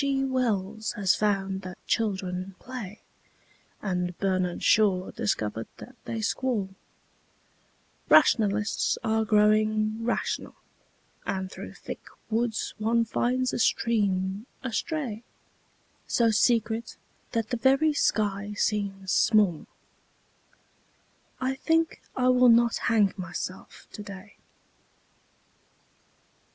G. Wells has found that children play, And Bernard Shaw discovered that they squall; Rationalists are growing rational And through thick woods one finds a stream astray, So secret that the very sky seems small I think I will not hang myself today.